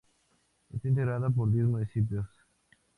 Está integrada por diez municipios.